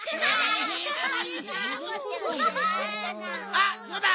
あっそうだ！